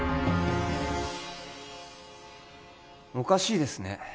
おかしいですね